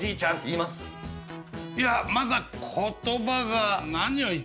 いやまだ言葉が。